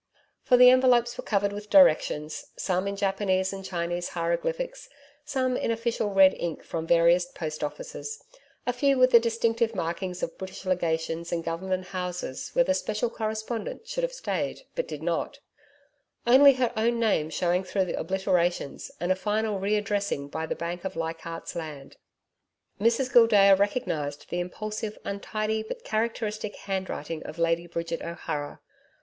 For the envelopes were covered with directions, some in Japanese and Chinese hieroglyphics, some in official red ink from various postoffices, a few with the distinctive markings of British Legations and Government Houses where the Special Correspondent should have stayed, but did not Only her own name showing through the obliterations, and a final re addressing by the Bank of Leichardt's Land. Mrs Gildea recognised the impulsive, untidy but characteristic handwriting of Lady Bridget O'Hara.